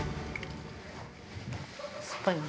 酸っぱいの？